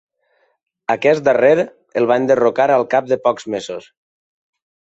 Aquest darrer el va enderrocar al cap de pocs mesos.